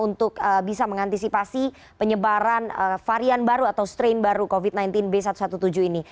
untuk bisa mengantisipasi penyebaran varian baru atau strain baru covid sembilan belas b satu satu tujuh ini